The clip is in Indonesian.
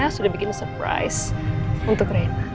sudah bikin surprise untuk rena